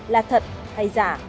là thật hay giả